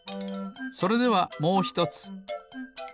それではもうひとつ。